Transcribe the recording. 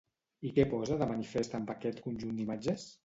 I què posa de manifest amb aquest conjunt d'imatges?